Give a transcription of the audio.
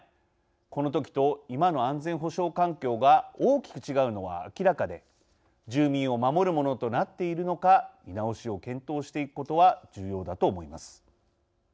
この時と今の安全保障環境が大きく違うのは明らかで住民を守るものとなっているのか見直しを検討していくことは重要だと思います。